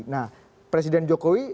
nah presiden jokowi